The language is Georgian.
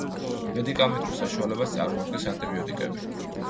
მედიკამენტურ საშუალებას წარმოადგენს ანტიბიოტიკები.